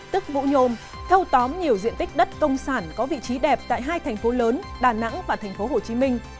tức vũ nhôm theo tóm nhiều diện tích đất công sản có vị trí đẹp tại hai thành phố lớn đà nẵng và tp hồ chí minh